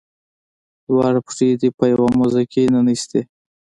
دواړه پښې دې په یوه موزه کې ننویستې.